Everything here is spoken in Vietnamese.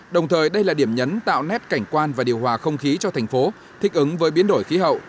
đồng thời đây là điểm nhấn tạo nét cảnh quan và điều hòa không khí cho thành phố thích ứng với biến đổi khí hậu